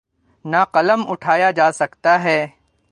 نہ قلم اٹھایا جا سکتا ہے۔